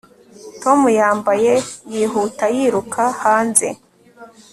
tom yambaye yihuta yiruka hanze